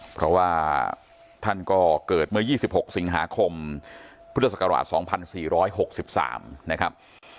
เพราะว่าท่านก็เกิดเมื่อ๒๖สิงหาคมพุทธศักราช๒๔๖๓นะครับ